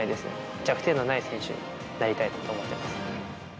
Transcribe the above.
弱点のない選手になりたいと思ってます。